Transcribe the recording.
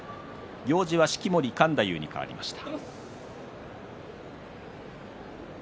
行司は式守勘太夫に替わりました。